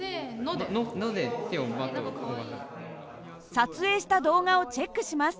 撮影した動画をチェックします。